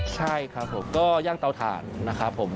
ใช่ครับผมก็ย่างเตาถ่านนะครับผม